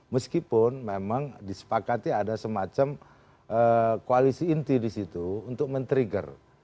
meskipun memang disepakati ada semacam koalisi inti di situ untuk men trigger